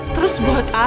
terus buat aku